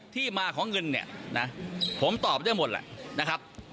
ที่มาของเงินเนี่ยนะผมตอบได้หมดแหละนะครับ